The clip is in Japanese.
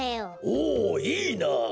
おおいいなあ。